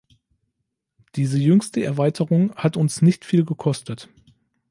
Diese jüngste Erweiterung hat uns nicht viel gekostet.